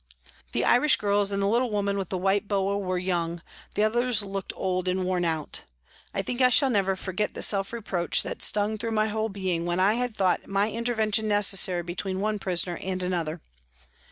The Irish girls and the little woman with the white boa were young, the others looked old and worn out. I think I shall never forget the self reproach that stung through my whole being when I had thought my intervention necessary between one prisoner and another.